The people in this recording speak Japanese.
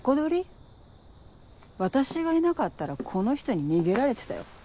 私がいなかったらこの人に逃げられてたよ。